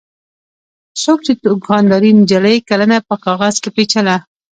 څو چې دوکاندارې نجلۍ کلنه په کاغذ کې پېچله.